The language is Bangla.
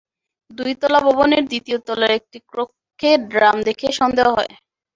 দুই তলা ভবনের দ্বিতীয় তলার একটি কক্ষে ড্রাম দেখে সন্দেহ হয়।